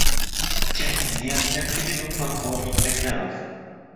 Чрез несколько минут полковник нагнал их.